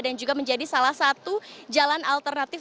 dan juga menjadi salah satu jalan alternatif